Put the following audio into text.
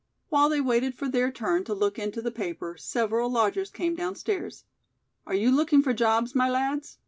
While they waited for their turn to look into the paper, several lodgers came down stairs. "Are you looking for jobs, my lads?"